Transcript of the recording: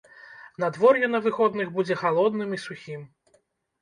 Надвор'е на выходных будзе халодным і сухім.